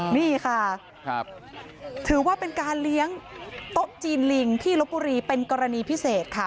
นี่ค่ะถือว่าเป็นการเลี้ยงโต๊ะจีนลิงที่ลบบุรีเป็นกรณีพิเศษค่ะ